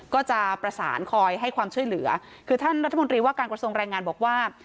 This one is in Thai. ก็จะประสานคอยให้ความช่วยเหลือคือท่านรัฐมนตรีว่าการกระทรวงแรงงานบอกว่า